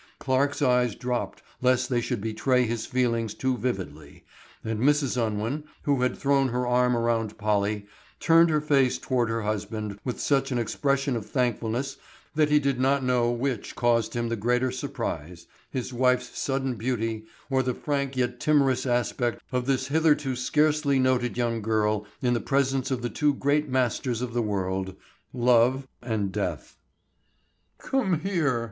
Clarke's eyes dropped lest they should betray his feelings too vividly, and Mrs. Unwin, who had thrown her arm around Polly, turned her face toward her husband with such an expression of thankfulness that he did not know which caused him the greater surprise, his wife's sudden beauty or the frank yet timorous aspect of this hitherto scarcely noted young girl in the presence of the two great masters of the world, Love and Death. "Come here!"